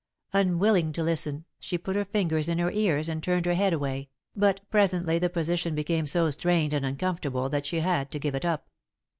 Unwilling to listen, she put her fingers in her ears and turned her head away, but presently the position became so strained and uncomfortable that she had to give it up.